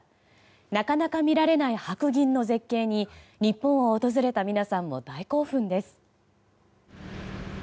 なかなか見られない白銀の絶景に日本を訪れた皆さんも大興奮です。